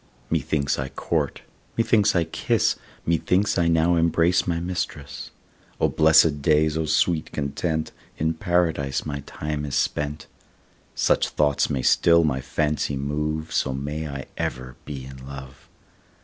Methinks I court, methinks I kiss, Methinks I now embrace my mistress. O blessed days, O sweet content, In Paradise my time is spent. Such thoughts may still my fancy move, So may I ever be in love.